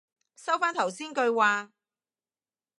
收返頭先句話